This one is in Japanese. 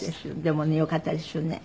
でもねよかったですよね。